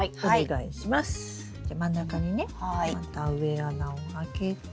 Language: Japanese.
じゃ真ん中にねまた植え穴を開けて。